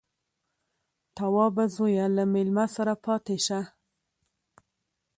_توابه زويه، له مېلمه سره پاتې شه.